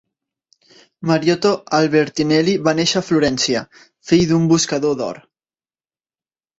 Mariotto Albertinelli va néixer a Florència, fill d'un buscador d'or.